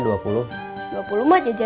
dua puluh mah jajan aja